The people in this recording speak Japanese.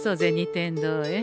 天堂へ。